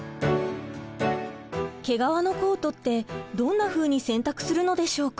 毛皮のコートってどんなふうに洗濯するのでしょうか？